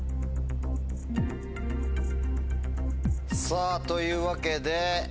さぁというわけで。